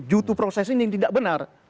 jutu proses ini tidak benar